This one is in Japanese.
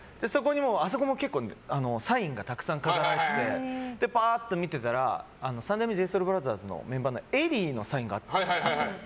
あそこもサインが飾られててぱーっと見てたら三代目ＪＳＯＵＬＢＲＯＴＨＥＲＳのメンバーのＥＬＬＹのサインがあったんです。